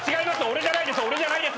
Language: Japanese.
俺じゃないです。